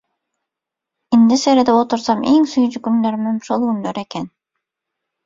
Indi seredip otursam iň süýji günlerimem şol günler eken.